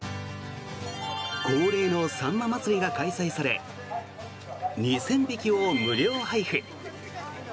恒例のさんま祭りが開催され２０００匹を無料配布。